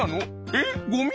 えっゴミ！？」。